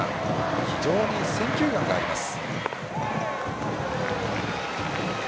非常に選球眼があります。